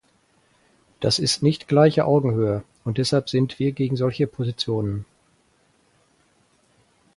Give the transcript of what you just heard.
Das ist nicht gleiche Augenhöhe, und deshalb sind wir gegen solche Positionen.